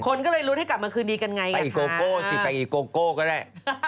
คนก็เลยรู้ที่กลับมาคืนดีกันไงกันค่ะไปอีกโกโกสิไปอีกโกโกก็ได้